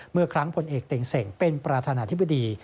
เมื่อครั้งผลเอกเต็งเส่งเป็นประธานาธิบดี